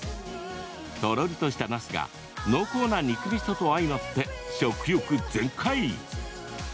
とろりとした、なすが濃厚な肉みそと相まって食欲全開。